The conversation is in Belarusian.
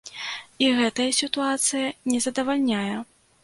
Іх гэтая сітуацыя не задавальняе.